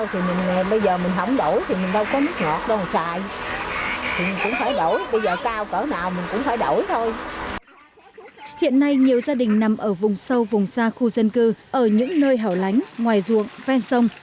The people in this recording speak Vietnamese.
hiện nay nhiều gia đình nằm ở vùng sâu vùng xa khu dân cư ở những nơi hảo lánh ngoài ruộng ven sông